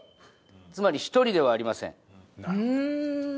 つまり一人ではありません。